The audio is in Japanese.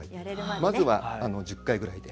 まずは１０回ぐらいで。